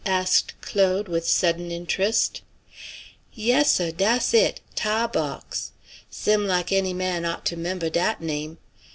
asked Claude with sudden interest. "Yes, seh. Dass it! Tah bawx. Sim like any man ought to 'member dat name.